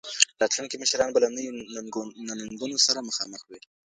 راتلونکي مشران به له نويو ننګونو سره مخامخ وي.